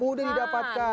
mudah didapatkan semuanya